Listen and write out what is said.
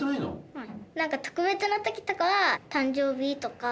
うん。